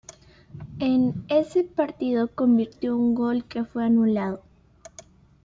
En ese partido convirtió un gol que fue anulado.